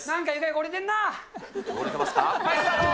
汚れてますか。